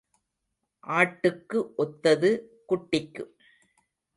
ஆட்டுக்கு ஒத்தது குட்டிக்கு.